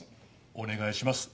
お願いします